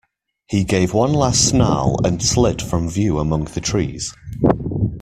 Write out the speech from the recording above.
He gave one last snarl and slid from view among the trees.